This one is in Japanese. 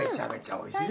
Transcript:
おいしい。